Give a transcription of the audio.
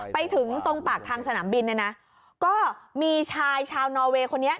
ไปถึงตรงปากทางสนามบินเนี่ยนะก็มีชายชาวนอเวย์คนนี้